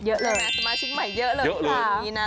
เยอะเลยนะสมาชิกใหม่เยอะเลยครับ